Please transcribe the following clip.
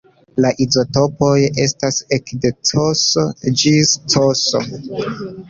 La izotopoj estas ekde Cs ĝis Cs.